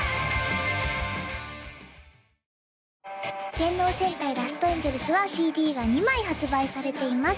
「電脳戦隊ラストエンジェルス」はＣＤが２枚発売されています